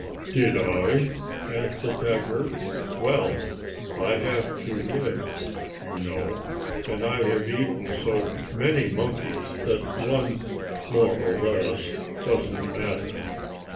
"Did I?" asked the tiger. "Well, I have to live, you know. And I have eaten so many monkeys that one, more or less, doesn't matter.